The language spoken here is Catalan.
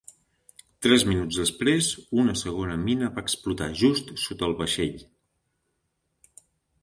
Tres minuts després, una segona mina va explotar just sota el vaixell.